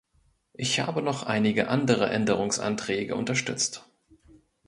Ich habe noch einige andere Änderungsanträge unterstützt.